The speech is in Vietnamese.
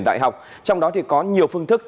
đại học trong đó thì có nhiều phương thức